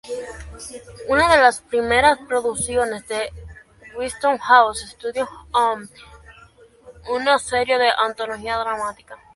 Una de sus primeras producciones fue Westinghouse Studio One, una serie de antología dramática.